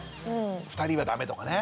２人はダメとかね。